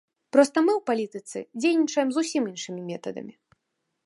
Проста мы ў палітыцы дзейнічаем зусім іншымі метадамі.